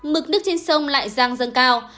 mực nước trên sông lại giang dâng cao